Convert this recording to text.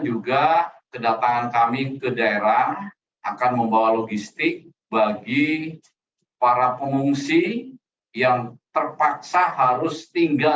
juga kedatangan kami ke daerah akan membawa logistik bagi para pengungsi yang terpaksa harus tinggal